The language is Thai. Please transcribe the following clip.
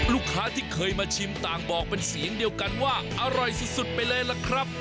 ลูกค้าที่เคยมาชิมต่างบอกเป็นเสียงเดียวกันว่าอร่อยสุดไปเลยล่ะครับ